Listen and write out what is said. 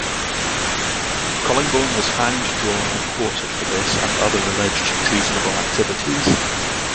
Collingbourne was hanged, drawn and quartered for this and other alleged treasonable activities.